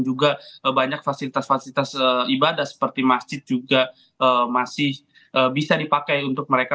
juga banyak fasilitas fasilitas ibadah seperti masjid juga masih bisa dipakai untuk mereka